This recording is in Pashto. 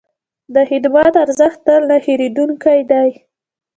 د خدمت ارزښت تل نه هېرېدونکی دی.